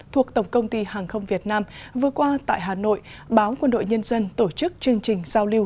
thuộc tổng công ty hàng không việt nam vừa qua tại hà nội báo quân đội nhân dân tổ chức chương trình giao lưu